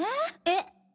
えっ？